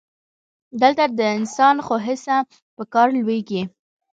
دلته د انسان څو حسه په کار لویږي.